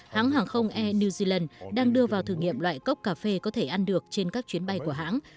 hãng hàng không air new zealand đang đưa vào thử nghiệm loại cốc cà phê có thể ăn được trên các chuyến bay của hãng